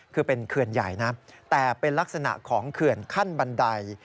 คือเป็นเขื่อนใหญ่นะแต่เป็นลักษณะของเขื่อนขั้นบันได